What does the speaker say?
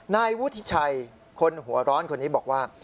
นายวุฒิชัยคนหัวร้อนคนนี้บอกว่า